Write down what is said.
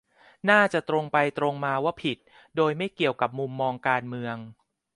น่าจะตรงไปตรงมาว่าผิด โดยไม่เกี่ยวกับมุมมองการเมือง